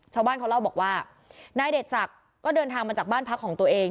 ชาวบ้านเขาเล่าบอกว่านายเดชศักดิ์ก็เดินทางมาจากบ้านพักของตัวเอง